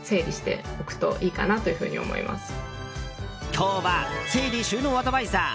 今日は整理収納アドバイザー